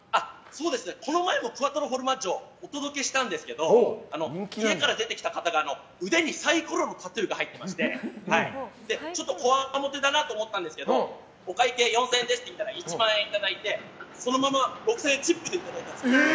この前もクアトロフォルマッジョお届けしたんですけど家から出てきた方が腕にサイコロのタトゥーが入ってましてちょっとこわもてだなと思ったんですけどお会計４０００円ですと言ったら１万円いただいてそのまま６０００円チップでいただいたんですよ。